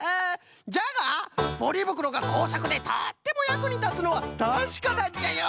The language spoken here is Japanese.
じゃがポリぶくろがこうさくでとってもやくにたつのはたしかなんじゃよ！